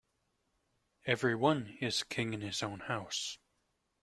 Every one is king in his own house.